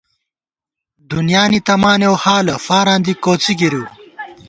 دُنیانی تمانېؤ حالہ ، فاراں دی کوڅی گِرِیؤ